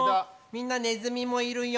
みんなねずみもいるよ！